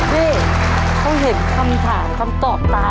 พี่เขาเห็นคำถามคำตอบตา